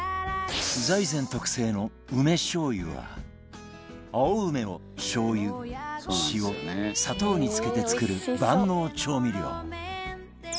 財前特製の梅しょう油は青梅をしょう油塩砂糖に漬けて作る万能調味料